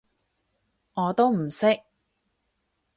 我都唔識